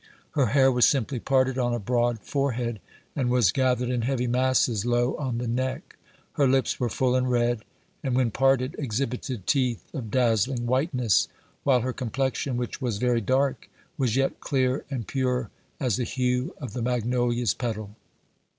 Her hair was simply parted on a broad forehead, and was gathered in heavy masses low on the neck. Her lips were full and red, and, when parted, exhibited teeth of dazzling whiteness, while her complexion, which was very dark, was yet clear and pure as the hue of the magnolia's petal.